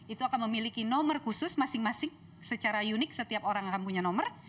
itu akan memiliki nomor khusus masing masing secara unik setiap orang akan punya nomor